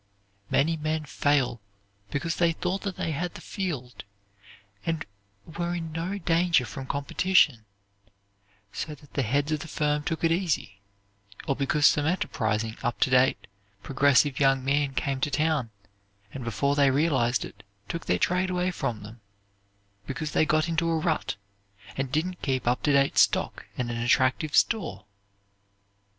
Many men fail because they thought they had the field and were in no danger from competition, so that the heads of the firm took it easy, or because some enterprising up to date, progressive young man came to town, and, before they realized it, took their trade away from them, because they got into a rut, and didn't keep up to date stock and an attractive store.